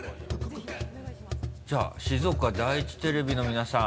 じゃあ静岡第一テレビの皆さん。